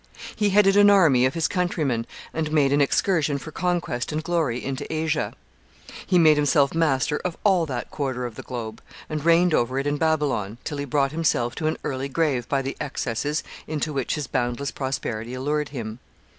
He headed an army of his countrymen, and made an excursion for conquest and glory into Asia. He made himself master of all that quarter of the globe, and reigned over it in Babylon, till he brought himself to an early grave by the excesses into which his boundless prosperity allured him.